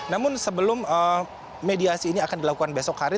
namun sebelum mediasi ini akan dilakukan besok hari